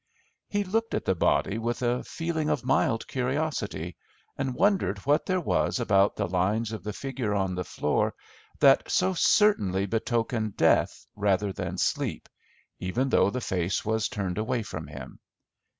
He looked at the body with a feeling of mild curiosity, and wondered what there was about the lines of the figure on the floor that so certainly betokened death rather than sleep, even though the face was turned away from him.